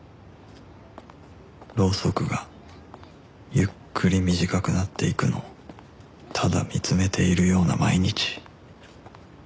ろうそくがゆっくり短くなっていくのをただ見つめているような毎日